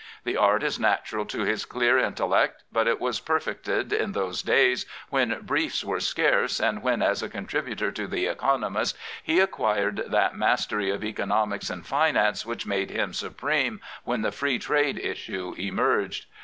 The art is natural to his clear intellect, but it was perfected in those days when briefs were scarce, and when as a contributor to the Economist he acquired that mastery of economics and finance which made him supreme when the Free Trade issue emerged.